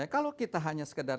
kalau kita hanya sekedar